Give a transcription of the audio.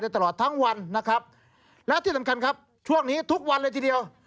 ตลอดทั้งวันนะครับและที่สำคัญครับช่วงนี้ทุกวันเลยทีเดียว